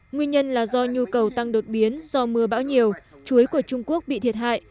nguyên nhân là do nhu cầu tăng đột biến do mưa bão nhiều chuối của trung quốc bị thiệt hại